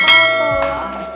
apa lu pak bi